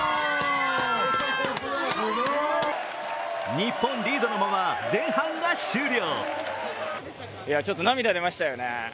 日本リードのまま前半が終了。